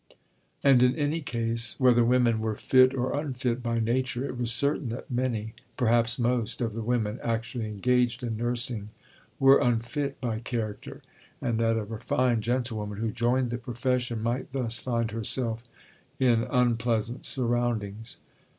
And in any case, whether women were fit or unfit by nature, it was certain that many, perhaps most, of the women actually engaged in nursing were unfit by character, and that a refined gentlewoman, who joined the profession, might thus find herself in unpleasant surroundings.